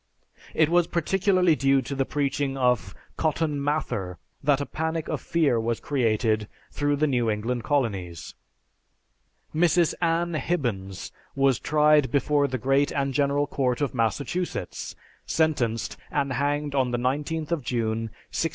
It was particularly due to the preaching of Cotton Mather that a panic of fear was created through the New England Colonies. Mrs. Ann Hibbons was tried before the Great and General Court of Massachusetts, sentenced and hanged on the 19th of June, 1656.